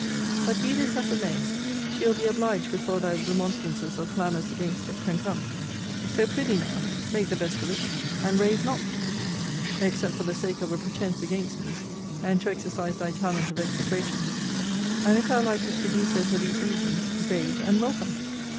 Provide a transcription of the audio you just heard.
But, be this as it may, she will be obliged before thy remonstrances or clamours against it can come; so, pr'ythee now, make the best of it, and rave not; except for the sake of a pretence against me, and to exercise thy talent of execration: and, if thou likest to do so for these reasons, rave and welcome.